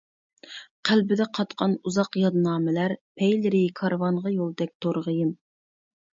قەلبىدە قاتقان ئۇزاق يادنامىلەر، پەيلىرى كارۋانغا يولدەك تورغىيىم.